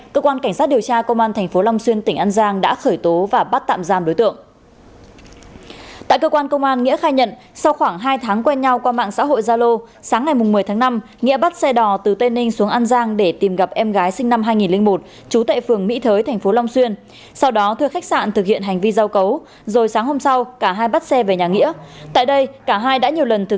cả hai đã nhiều lần thực hiện hành vi giao cấu